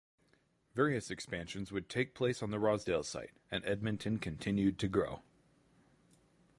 Various expansions would take place on the Rossdale site and Edmonton continued to grow.